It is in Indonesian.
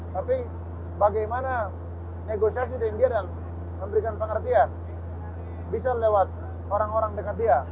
tapi bagaimana negosiasi dengan dia dan memberikan pengertian bisa lewat orang orang dekat dia